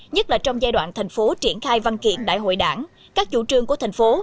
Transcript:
nhất là trong giai đoạn thành phố triển khai văn kiện đại hội đảng các chủ trương của thành phố